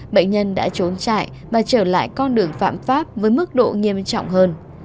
bệnh nhân đã trốn chạy và trở lại con đường phạm pháp với mức độ nghiêm trọng hơn